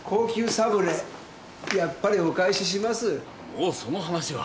もうその話は。